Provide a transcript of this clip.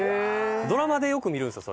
ドラマでよく見るんですよ